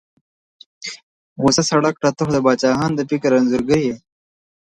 غوسه سړه کړه، ته خو د باچا خان د فکر انځورګر یې.